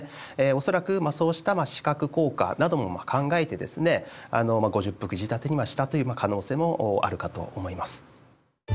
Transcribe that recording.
恐らくそうした視覚効果なども考えて５０幅仕立てにしたという可能性もあるかと思います。